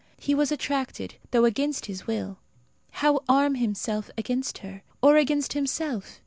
He was attracted, though against his will. How arm himself against her or against himself?